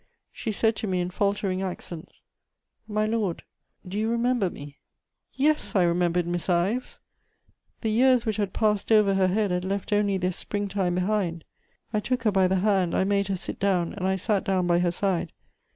She said to me, in faltering accents: "My lord, do you remember me?" Yes, I remembered Miss Ives! The years which had passed over her head had left only their spring time behind. I took her by the hand, I made her sit down, and I sat down by her side.